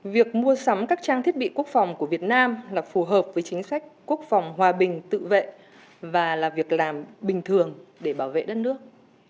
việc mua sắm các trang thiết bị quốc phòng của việt nam là phù hợp với chính sách quốc phòng hòa bình tự vệ và là việc làm bình thường để bảo vệ đất nước